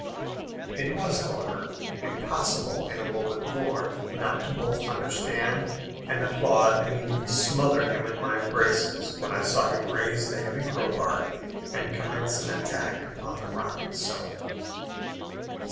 It was, however, impossible in a moment more not to both understand and applaud, and even to smother him in my embraces, when I saw him raise the heavy crowbar and commence an attack upon the rock itself.